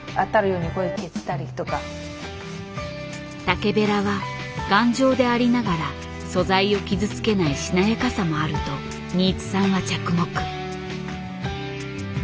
竹べらは頑丈でありながら素材を傷つけないしなやかさもあると新津さんは着目。